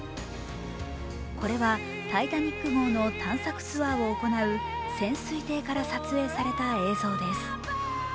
これは「タイタニック」号の探索ツアーを行う潜水艇から撮影された映像です。